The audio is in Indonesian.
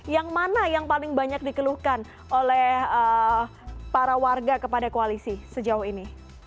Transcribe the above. yang mana yang paling banyak dikeluhkan oleh para warga kepada koalisi sejauh ini